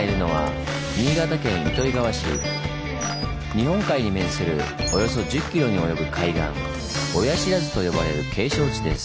日本海に面するおよそ１０ｋｍに及ぶ海岸「親不知」と呼ばれる景勝地です。